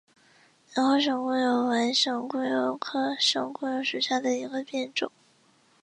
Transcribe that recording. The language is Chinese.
玫红省沽油为省沽油科省沽油属下的一个变种。